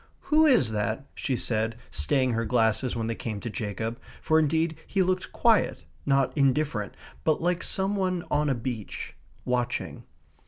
"Who is that?" she said, staying her glasses when they came to Jacob, for indeed he looked quiet, not indifferent, but like some one on a beach, watching.